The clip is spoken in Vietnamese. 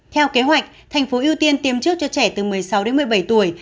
theo kế hoạch tp hcm tiêm trước cho trẻ từ một mươi sáu đến một mươi bảy tuổi